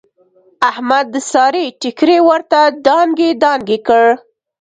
احمد د سارې ټیکری ورته دانګې دانګې کړ.